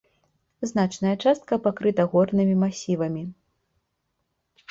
Значная частка пакрыта горнымі масівамі.